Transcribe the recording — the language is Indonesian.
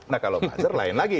nah kalau buzzer lain lagi